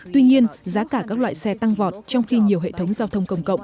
tuy nhiên giá cả các loại xe tăng vọt trong khi nhiều hệ thống giao thông công cộng